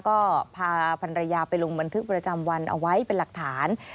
ก็พาพันรยาไปลงบันทึกประจำวันเอาไว้เป็นหลักฐาน